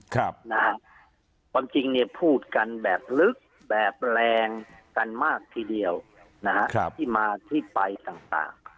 ความจริงเนี่ยพูดกันแบบลึกแบบแรงกันมากทีเดียวนะฮะที่มาที่ไปต่าง